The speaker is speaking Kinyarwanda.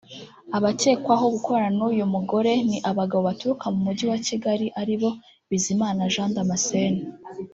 Abakekwaho gukorana n’uyu mu gore ni abagabo baturuka mu mujyi wa Kigali ari bo Bizimana Jean Damascene